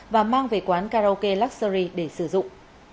và mang về quán karaoke luxury để sử dụng